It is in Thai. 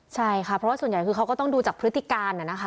ใช่ค่ะเพราะว่าส่วนใหญ่คือเขาก็ต้องดูจากพฤติการนะคะ